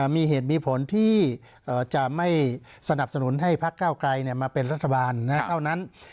มีเหตุมีผลที่จะไม่สนับสนุนให้พักเก้าไกลมาเป็นรัฐบาลเท่านั้น